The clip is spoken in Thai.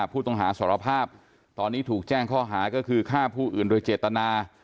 ผู้ต้องหาสารภาพตอนนี้ถูกแจ้งข้อหาก็คือฆ่าผู้อื่นโดยเจตนา